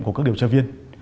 của các điều tra viên